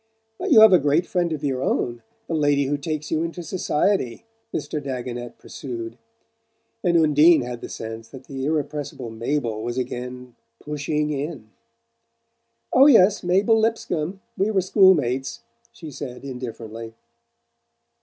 "But you have a great friend of your own the lady who takes you into society," Mr. Dagonet pursued; and Undine had the sense that the irrepressible Mabel was again "pushing in." "Oh, yes Mabel Lipscomb. We were school mates," she said indifferently.